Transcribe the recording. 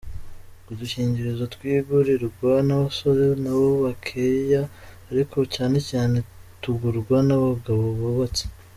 Udukingirizo twigurirwa n’abasore na bo bakeya, ariko cyane cyane tugurwa n’abagabo bubatse”.